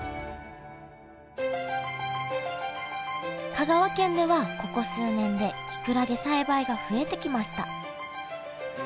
香川県ではここ数年できくらげ栽培が増えてきました